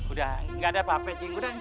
udah nggak ada apa apa ji udah sini